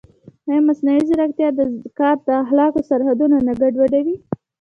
ایا مصنوعي ځیرکتیا د کار د اخلاقو سرحدونه نه ګډوډوي؟